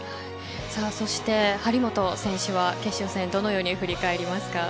そして張本選手は決勝戦どのように振り返りますか。